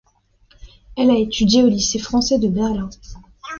Elle a étudié au Lycée français de Berlin.